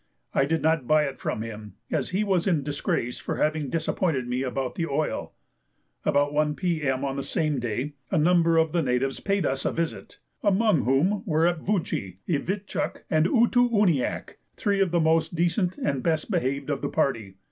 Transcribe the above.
I did not buy it from him, as he was in disgrace for having disappointed me about the oil. About 1 P.M. on the same day a number of the natives paid us a visit, among whom were Ec vu chi, I vit chuk, and Ou too ouniak, three of the most decent and best behaved of the party.